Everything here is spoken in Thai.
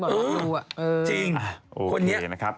อืมจริงคนนี้โอเคนะครับ